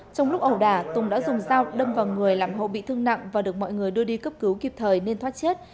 trong lúc ẩu đả tùng đã dùng dao đâm vào người làm hộ bị thương nặng và được mọi người đưa đi cấp cứu kịp thời nên thoát chết